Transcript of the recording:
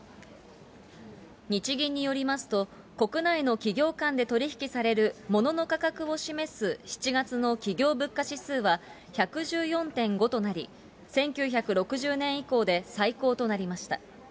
日銀によりますと、国内の企業間で取り引きされる物の価格を示す７月の企業物価指数は１１４．５となり、１９６０年以降で最高となりました。